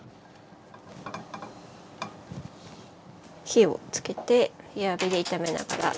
火をつけて弱火で炒めながら。